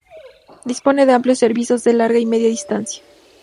Dispone de amplios servicios de larga y media distancia.